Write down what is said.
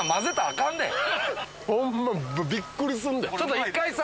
ホンマびっくりすんで。